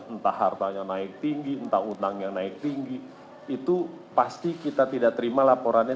entah hartanya naik tinggi entah utang yang naik tinggi itu pasti kita tidak terima laporannya